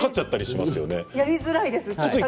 やりづらいです。